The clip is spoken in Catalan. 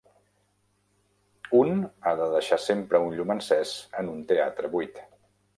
Un ha de deixar sempre un llum encès en un teatre buit.